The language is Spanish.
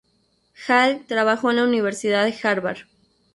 Hall trabajó en la universidad de Harvard.